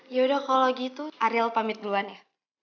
yaudah kalau gitu ariel pamit duluan ya